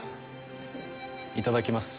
いただきます。